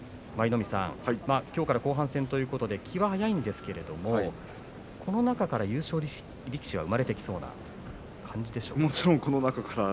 舞の海さん、きょうから後半戦ということで気は早いんですけれどもこの中から優勝力士が生まれてきそうな感じでしょうか。